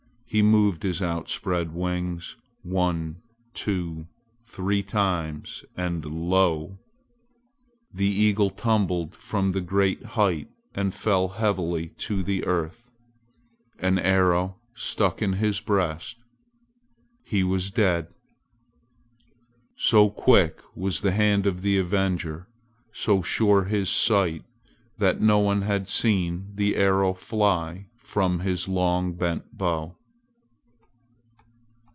He moved his outspread wings one, two, three times and lo! the eagle tumbled from the great height and fell heavily to the earth. An arrow stuck in his breast! He was dead! So quick was the hand of the avenger, so sure his sight, that no one had seen the arrow fly from his long bent bow.